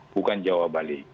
bukan jawa bali